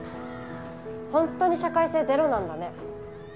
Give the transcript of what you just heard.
本当に社会性ゼロなんだね。